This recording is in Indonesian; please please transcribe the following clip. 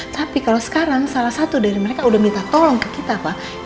tapi kalau sekarang salah satu dari mereka udah minta tolong ke kita pak